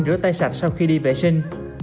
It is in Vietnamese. rửa tay sạch sau khi đi vệ sinh